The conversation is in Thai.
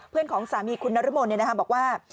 เพื่อนของสามีคุณนรมนต์เนี่ยนะคะบอกว่า